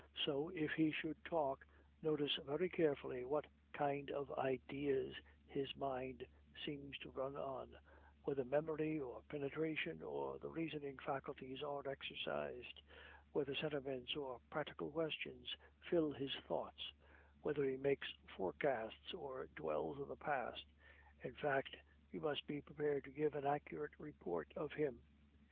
So if he should talk, notice very carefully what kind of ideas his mind seems to run on; whether memory, or penetration, or the reasoning faculties are exercised; whether sentiments or practical questions fill his thoughts; whether he makes forecasts or dwells on the past; in fact; you must be prepared to give an accurate report of him.